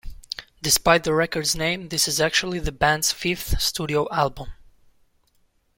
Despite the record's name, this is actually the band's fifth studio album.